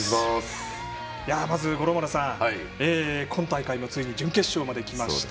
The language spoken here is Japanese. まず五郎丸さん、今大会もついに準決勝まで来ました。